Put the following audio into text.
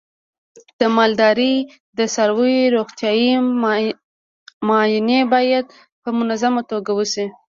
د مالدارۍ د څارویو روغتیايي معاینې باید په منظمه توګه وشي.